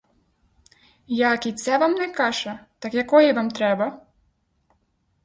Як і це вам не каша, так якої вам треба?